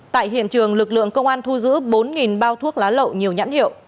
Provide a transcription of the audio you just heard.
tại hiện trường lực lượng công an thu giữ bốn bao thuốc lá lậu nhiều nhãn hiệu